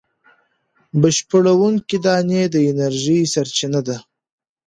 بشپړوونکې دانې د انرژۍ سرچینه دي.